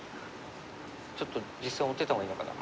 ちょっと実戦追ってた方がいいのかな。